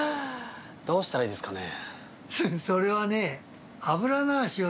どうしたらいいですかね。